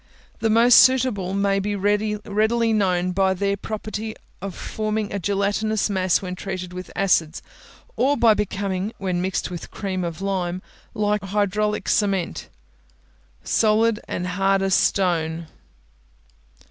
The most suitable may be readily known by their property of forming a gelatinous mass when treated with acids, or by becoming, when mixed with cream of lime, like hydraulic cement, solid and hard as stone.